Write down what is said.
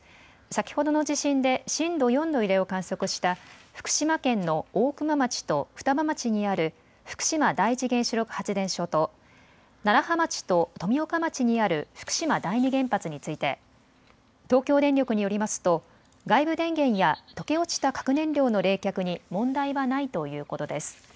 先ほどの地震で震度４の揺れを観測した福島県の大熊町と双葉町にある福島第一原子力発電所と楢葉町と富岡町にある福島第二原発について東京電力によりますと外部電源や溶け落ちた核燃料の冷却に問題はないということです。